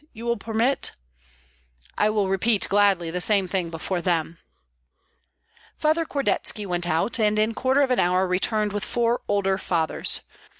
You will permit, " "I will repeat gladly the same thing before them." Father Kordetski went out, and in quarter of an hour returned with four older fathers.